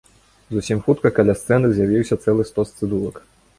Зусім хутка каля сцэны з'явіўся цэлы стос цыдулак.